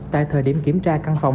tại thời điểm kiểm tra căn phòng